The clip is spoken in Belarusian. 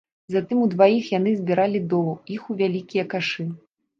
Затым удваіх яны збіралі долу іх у вялікія кашы.